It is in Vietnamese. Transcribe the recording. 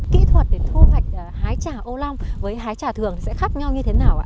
kỹ thuật để thu hoạch hái trà ô long với hái trà thường sẽ khác nhau như thế nào ạ